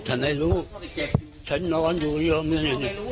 ฉันไม่รู้ฉันนอนอยู่เรียม